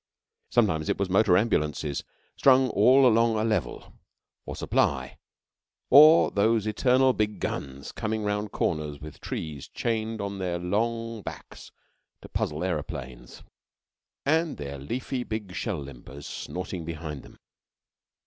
Sometimes it was motor ambulances strung all along a level; or supply; or those eternal big guns coming round corners with trees chained on their long backs to puzzle aeroplanes, and their leafy, big shell limbers snorting behind them.